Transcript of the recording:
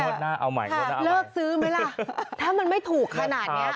หมดหน้าเอาใหม่หมดหน้าเอาใหม่เลิกซื้อไหมล่ะถ้ามันไม่ถูกขนาดนี้